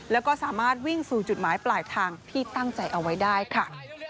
แล้วก็สามารถวิ่งสู่จุดหมายปลายทางที่ตั้งใจเอาไว้ได้ค่ะ